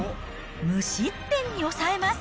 無失点に抑えます。